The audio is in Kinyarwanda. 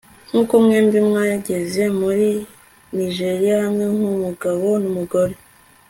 kuko mwembi mwageze muri nijeriya hamwe, nk'umugabo n'umugore